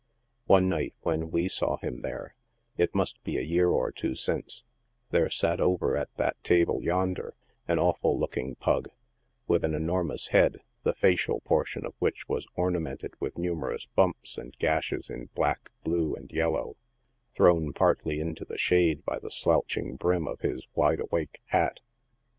One night when we saw him there — it must be a year or two since — there sat over at that table, yonder, an awful looking "pug" with an enormous head, the facial portion of which was ornamented with numerous bumps and gashes in black, blue, and yellow, thrown partly into the shade by the slouching brim of his " wide awake" hat.